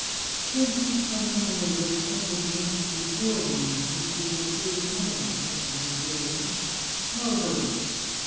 * Pray keep some memory of that splendid glance for the drawing rooms in which we shall appear to night,' I sometimes say to her. Not a bit of it.